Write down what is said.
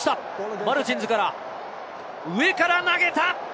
マルチンズから上から投げた。